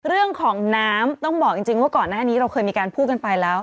เรื่องของน้ำต้องบอกจริงว่าก่อนหน้านี้เราเคยมีการพูดกันไปแล้ว